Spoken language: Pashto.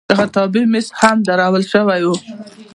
د خطابې میز هم درول شوی و.